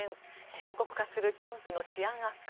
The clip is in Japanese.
深刻化するキャンプの治安悪化。